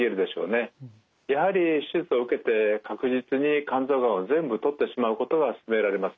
やはり手術を受けて確実に肝臓がんを全部取ってしまうことが勧められます。